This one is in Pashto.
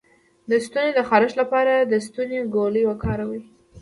د ستوني د خارش لپاره د ستوني ګولۍ وکاروئ